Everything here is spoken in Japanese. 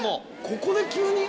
ここで急に？